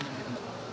tidak ada ya